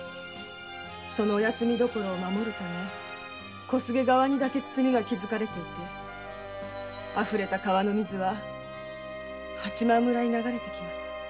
そのお休み所を守るため小菅側にだけ堤が築かれていて溢れた川の水は八幡村に流れてきます。